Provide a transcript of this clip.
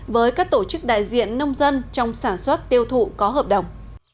với các tổ chức đại diện nông dân trong sản xuất tiêu thụ có hợp đồng